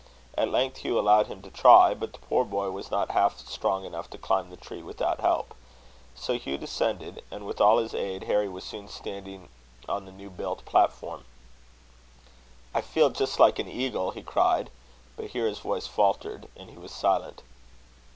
At length Hugh allowed him to try; but the poor boy was not half strong enough to climb the tree without help. So Hugh descended, and with his aid Harry was soon standing on the new built platform. "I feel just like an eagle," he cried; but here his voice faltered, and he was silent.